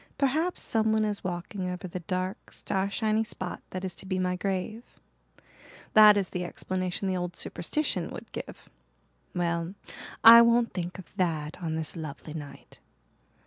Perhaps someone is walking over the dark, starshiny spot that is to be my grave. That is the explanation the old superstition would give. Well, I won't think of that on this lovely night.